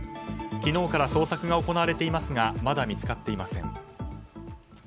昨日から捜索が行われていますがまだ見つかっていません。